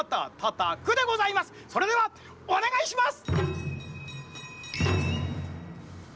それではおねがいします！